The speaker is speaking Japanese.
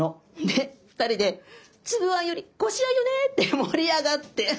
で二人で「つぶあんよりこしあんよね」って盛り上がって。